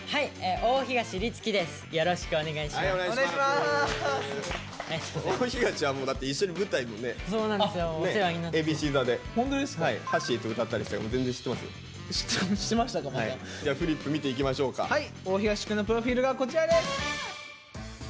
大東くんのプロフィールがこちらです！